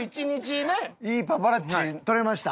いいパパラッチ撮れました。